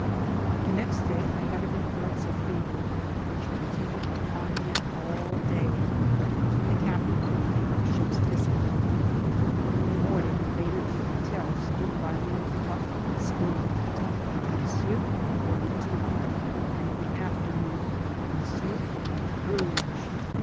The next day I had a recurrence of fever, which continued upon me all day, and the captain put me un d^r ship's discipline. In the morning the maitre d'h&tel stood by me with ciqp and spoon, ^' Monsieur, un vom« itif,'' and in the afternoon, ^^ Monsieur, une purge."